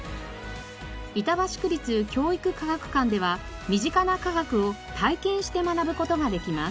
板橋区立教育科学館では身近な科学を体験して学ぶ事ができます。